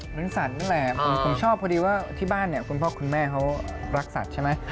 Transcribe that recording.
เหมือนสัตว์นั่นแหละผมชอบพอดีว่าที่บ้านเนี่ยคุณพ่อคุณแม่เขารักสัตว์ใช่ไหม